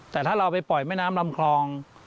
แต่ถ้าเราไปปล่อยแม่น้ำลำคลอง